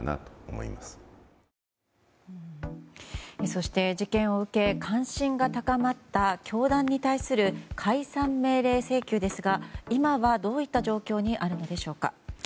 そして事件を受け関心が高まった教団に対する解散命令請求ですが今はどういった状況にあるのでしょうか。